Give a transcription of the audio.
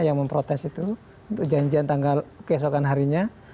yang memprotes itu untuk janjian tanggal keesokan harinya